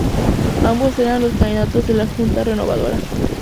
Ambos eran los candidatos de la Junta Renovadora.